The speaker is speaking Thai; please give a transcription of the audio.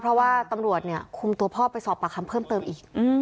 เพราะว่าตำรวจเนี่ยคุมตัวพ่อไปสอบปากคำเพิ่มเติมอีก